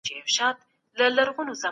موږ پرمختګ ته ژمن يو.